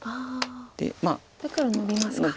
で黒ノビますか。